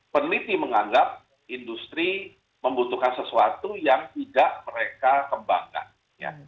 peneliti menganggap industri membutuhkan sesuatu yang tidak mereka kembangkan